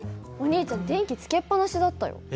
お兄ちゃん電気つけっ放しだったよ。